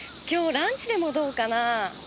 今日ランチでもどうかな？